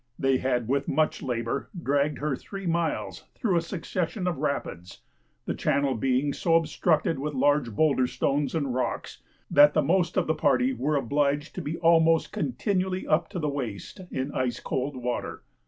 They had with much labour dragged her three miles through a succession of rapids, the channel being so obstructed with large boulder stones and rocks, that the most of the party were obliged to be almost continually up to the waist in ice cold water.